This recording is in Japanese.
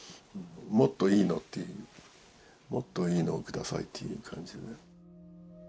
もっといいのっていうもっといいのをくださいっていう感じね。